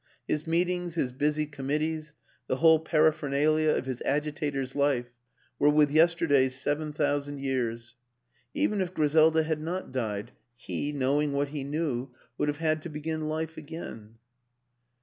His meet ings, his busy committees, the whole paraphernalia of his agitator's life, were with yesterday's seven thousand years. Even if Griselda had not died he, knowing what he knew, would have had to begin life again.